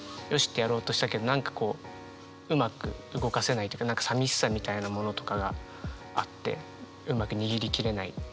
ってやろうとしたけど何かこううまく動かせないっていうか何かさみしさみたいなものとかがあってうまく握り切れない。